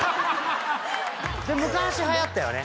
昔はやったよね。